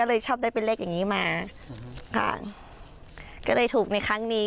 ที่จึงเป็นภารกิจในครั้งนี้